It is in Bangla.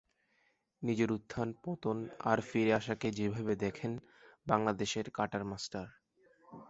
নিজের উত্থান পতন আর ফিরে আসাকে যেভাবে দেখেন বাংলাদেশের 'কাটার মাস্টার'